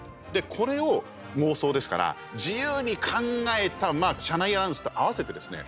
これを、妄想ですから自由に考えた車内アナウンスと合わせてですね